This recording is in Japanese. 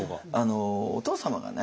お父様がね